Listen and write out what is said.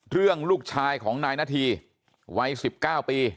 เรื่องลูกชายของนายนาธีวัย๑๙ปี